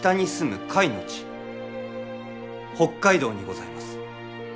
北加伊道にございます。